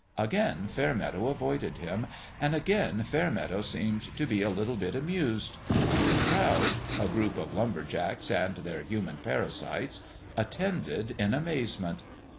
Again Fairmeadow avoided htm. And again Fairmeadow seemed to be a little bit amused. The crowd a group of lumber jacks and their human parasites attended in amaze ment.